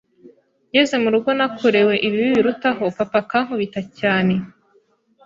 Ngeze mu rugo nakorewe ibibi birutaho papa akankubita cyane